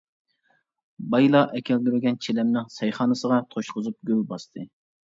بايىلا ئەكەلدۈرگەن چىلىمنىڭ سەيخانىسىغا توشقۇزۇپ گۈل باستى.